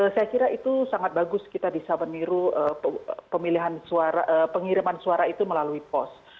saya kira itu sangat bagus kita bisa meniru pengiriman suara itu melalui pos